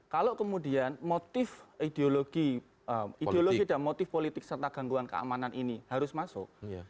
kalau kemudian motif ideologi dan motif politik serta gangguan keamanan ini harus masuk